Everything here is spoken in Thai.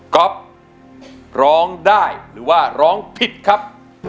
ก๊อฟร้องได้หรือว่าร้องผิดครับ